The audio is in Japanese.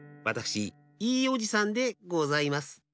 わたくしいいおじさんでございます。